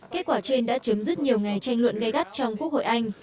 kết quả trên đã chấm dứt nhiều ngày tranh luận gây gắt trong quốc hội anh